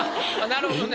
なるほどね。